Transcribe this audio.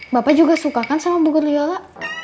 bapak juga suka kan sama bunga riala